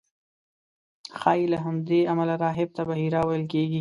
ښایي له همدې امله راهب ته بحیرا ویل کېږي.